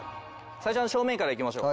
最初は正面からいきましょう。